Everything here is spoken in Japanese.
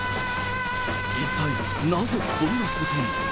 一体なぜこんなことに？